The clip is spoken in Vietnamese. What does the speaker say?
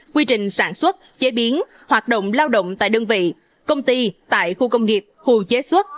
quy trình sản xuất chế biến hoạt động lao động tại đơn vị công ty tại khu công nghiệp khu chế xuất